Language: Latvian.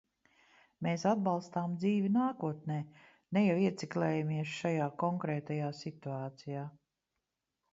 Mēs atbalstām dzīvi nākotnē, ne jau ieciklējamies šajā konkrētajā situācijā.